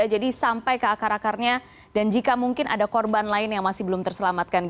jadi sampai ke akar akarnya dan jika mungkin ada korban lain yang masih belum terselamatkan